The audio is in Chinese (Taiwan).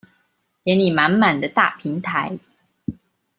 給你滿滿的大平台